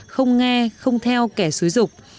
không nghe không theo kẻ xúi dục